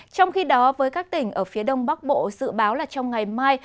trong khi đó với các tỉnh ở phía đông bắc bộ dự báo là trong ngày mai